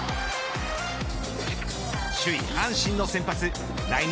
首位、阪神の先発来日